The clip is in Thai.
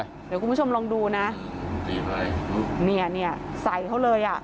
เดี๋ยวคุณผู้ชมลองดูนะนี่เลยเนี่ยใส่เขาเลยอ่ะ